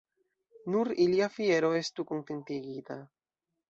Nur ilia fiero estu kontentigita.